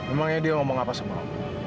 emangnya dia ngomong apa semalam